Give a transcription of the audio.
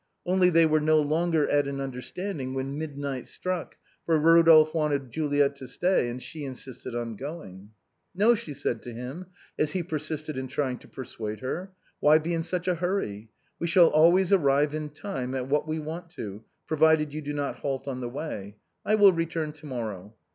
Only they were no longer at an understanding when midnight struck, for Eodolphe wanted Juliet to stay, and she insisted on going. " No," she said to him as he persisted in trying to per suade her. " Why be in such a hurry ? We shall always arrive in time at what we want to, provided you do not halt on the way. I will return to morrow."